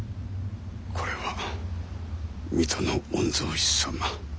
これは水戸の御曹司様。